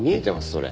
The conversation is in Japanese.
それ。